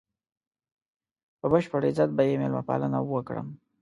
په بشپړ عزت به یې مېلمه پالنه وکړي.